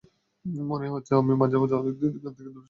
মনেই হচ্ছে না, আমি মাঝে অনেক দিন গান থেকে দূরে ছিলাম।